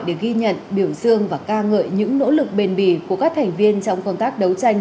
để ghi nhận biểu dương và ca ngợi những nỗ lực bền bì của các thành viên trong công tác đấu tranh